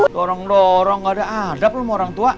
dorong dorong ada ada orangtua